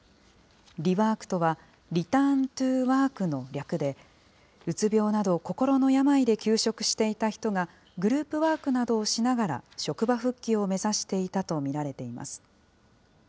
リワークとはリターン・トゥ・ワークの略で、うつ病など、こころの病で休職していた人が、グループワークなどをしながら職場復帰を目指していたと見られています。